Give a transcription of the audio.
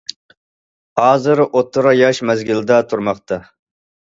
ھازىر ئوتتۇرا ياش مەزگىلىدە تۇرماقتا.